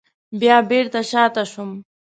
بیا بېرته شاته شوم.